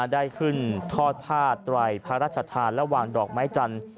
ได้ขึ้นทอดผ้าไตรพระราชทานและวางดอกไม้จันทร์